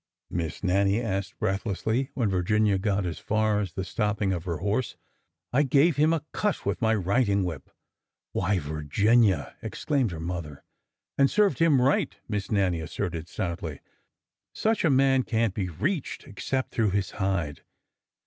'' Miss Nannie asked breath lessly, when Virginia got as far as the stopping of her horse. " I gave him a cut with my riding whip." " Why, Virginia! " exclaimed her mother. " And served him right 1 " Miss Nannie asserted stoutly. " Such a man can't be reached except through his hide